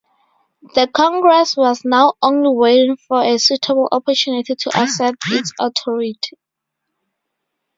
The Congress was now only waiting for a suitable opportunity to assert its authority.